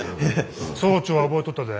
総長は覚えとったで。